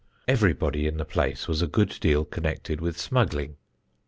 Everybody in the place was a good deal connected with smuggling.